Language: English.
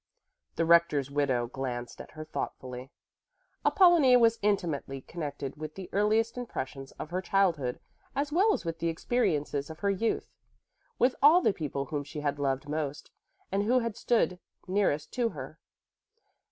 The rector's widow glanced after her thoughtfully. Apollonie was intimately connected with the earliest impressions of her childhood, as well as with the experiences of her youth, with all the people whom she had loved most and who had stood nearest to her.